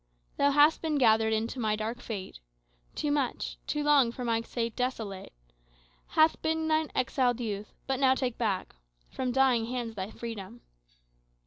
Thou hast been gathered into my dark fate Too much; too long for my sake desolate Hath been thine exiled youth; but now take back From dying hands thy freedom."